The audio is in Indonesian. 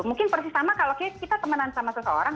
mungkin persis sama kalau kita temanan sama seseorang